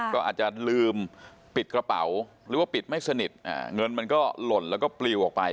ก็อาจจะลืมปิดกระเป๋าหรือว่าปิดไม่สนิทเงินมันก็หล่นแล้วก็ปลิวออกไป